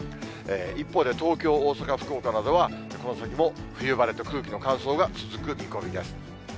一方で、東京、大阪、福岡などは、この先も冬晴れと空気の乾燥が続く見込みです。